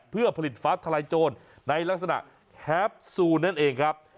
เพื่อผลิตฟ้าทลายโจรในลักษณะแฮปซูลนั่นเองครับ